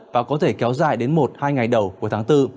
và có thể kéo dài đến một hai ngày đầu cuối tháng bốn